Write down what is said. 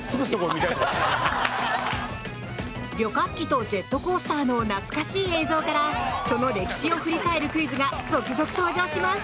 旅客機とジェットコースターの懐かしい映像からその歴史を振り返るクイズが続々登場します！